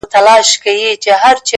شېخ د خړپا خبري پټي ساتي”